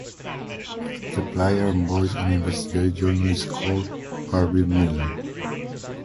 The player embodies an investigative journalist called Harvey Miller.